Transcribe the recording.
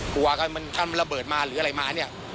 กลัวกันมันถ้ามันระเบิดมาหรืออะไรมาเนี่ย